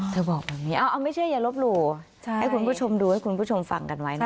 บอกแบบนี้เอาไม่เชื่ออย่าลบหลู่ให้คุณผู้ชมดูให้คุณผู้ชมฟังกันไว้นะคะ